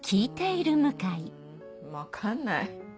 ん分かんない。